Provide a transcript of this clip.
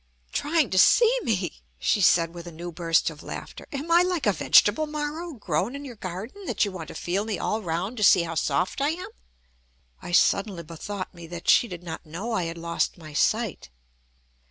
"Trying to see me?" she said, with a new burst of laughter. "Am I like a vegetable marrow, grown in your garden, that you want to feel me all round to see how soft I am?" I suddenly bethought me that she did not know I had lost my sight.